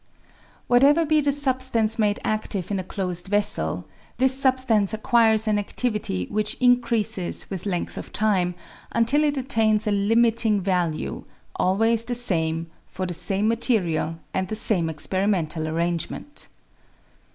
Whatever be the substance made adive in a closed vessel, this substance acquires an aclivity which increases with length of time until it attains a limiting value, always the same, for the same material and the same experimental arrangement.